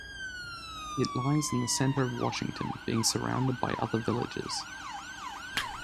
It lies in the centre of Washington, being surrounded by other villages.